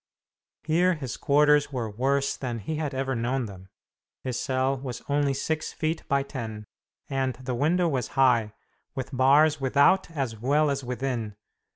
Here his quarters were worse than he had ever known them. His cell was only six feet by ten, and the window was high, with bars without as well as within.